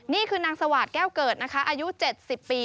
นี่คือนางสวาสแก้วเกิดนะคะอายุ๗๐ปี